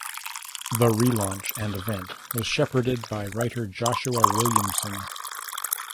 The relaunch and event was shepherded by writer Joshua Williamson.